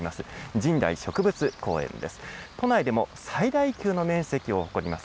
神代植物公園です。